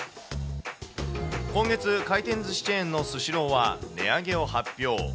今月、回転ずしチェーンのスシローは、値上げを発表。